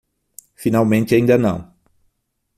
Finalmente ainda não